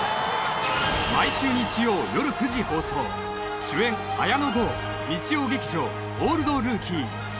毎週日曜よる９時放送主演綾野剛日曜劇場「オールドルーキー」